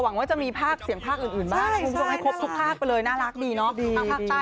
หวังว่าจะมีภาคเสียงภาคอื่นบ้างนะฮะคุณต้องให้ครบทุกภาคไปเลยน่ารักดีเนอะ